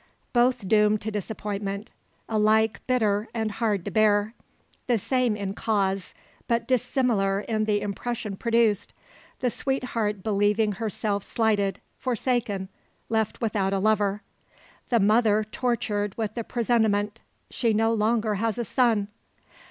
Both doomed to disappointment, alike bitter and hard to bear. The same in cause, but dissimilar in the impression produced. The sweetheart believing herself slighted, forsaken, left without a lover; the mother tortured with the presentiment, she no longer has a son!